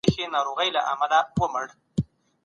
که انلاین فیډبک ورکړل سي، تېروتنه نه پاته کېږي.